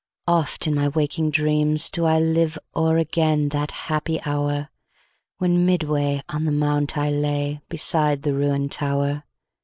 Oft in my waking dreams do ILive o'er again that happy hour, When midway on the mount I lay, Beside the ruin'd tower.